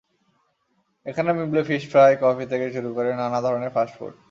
এখানে মিলবে fish fry, coffee থেকে শুরু করে নানা ধরনের ফাস্টফুড।